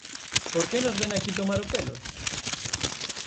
¿Por que nos vén aquí tomar o pelo?